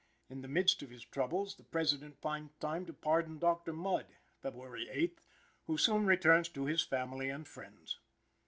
In the midst of his troubles, the President finds time to pardon Dr. Mudd (Feb. 8th), who soon returns to his family and friends.